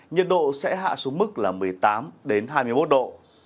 nhiệt độ sẽ hạ xuống mức là một mươi tám hai mươi một độ